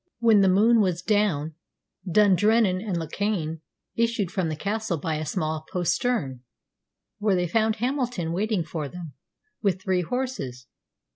When the moon was down, Dundrennan and Lochan issued from the castle by a small postern, where they found Hamilton waiting for them with three horses.